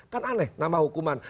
kan aneh nama hukuman